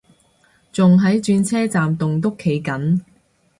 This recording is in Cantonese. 仲喺轉車站棟篤企緊